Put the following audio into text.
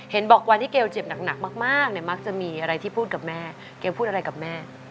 บอกวันที่เกลเจ็บหนักมากเนี่ยมักจะมีอะไรที่พูดกับแม่เกลพูดอะไรกับแม่